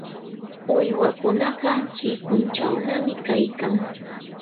Uywakunaqa chikunchawnami kaykan.